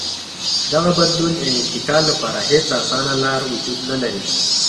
دغه بدلون یا انتقال لپاره هېڅ اسانه لار وجود نه لري.